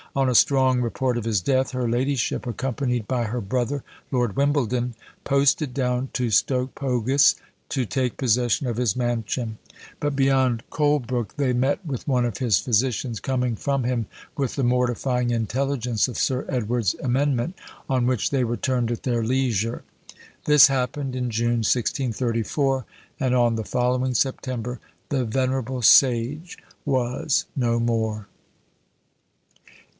On a strong report of his death, her ladyship, accompanied by her brother, Lord Wimbledon, posted down to Stoke Pogis to take possession of his mansion; but beyond Colebrook they met with one of his physicians coming from him with the mortifying intelligence of Sir Edward's amendment, on which they returned at their leisure. This happened in June, 1634, and on the following September the venerable sage was no more!